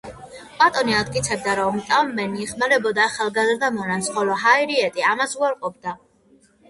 ბატონი ამტკიცებდა, რომ ტაბმენი ეხმარებოდა ახალგაზრდა მონას, ხოლო ჰარიეტი ამას უარყოფდა.